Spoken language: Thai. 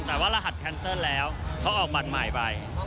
แต่ว่ารหัสแคนเซิลแล้วเขาออกบัตรใหม่ไป